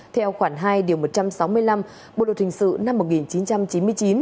theo khoản hai điều một trăm sáu mươi năm bộ đội hình sự năm một nghìn chín trăm chín mươi chín